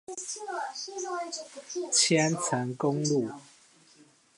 千層公路